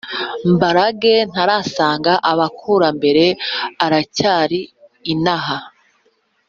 mbarage ntarasanga abakurambere aracyari inaha